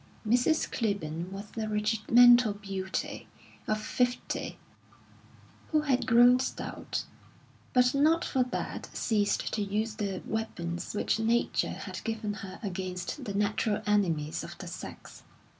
Mrs. Clibborn was a regimental beauty of fifty, who had grown stout; but not for that ceased to use the weapons which Nature had given her against the natural enemies of the sex.